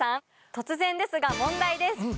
突然ですが問題です。